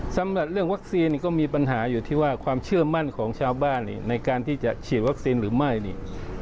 สำหรับเรื่องวัคซีนนี่ก็มีปัญหาอยู่ที่ว่าความเชื่อมั่นของชาวบ้านในการที่จะฉีดวัคซีนหรือไม่นี่